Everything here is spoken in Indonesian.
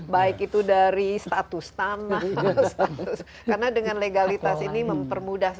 baik itu dari status tanah karena dengan legalitas ini mempermudah